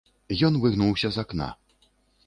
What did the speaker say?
Ён выгнуўся з акна.